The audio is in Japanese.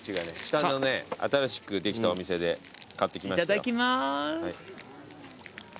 いただきます。